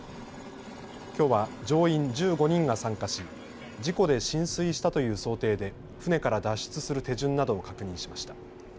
きょうは乗員１５人が参加し事故で浸水したという想定で船から脱出する手順などを確認しました。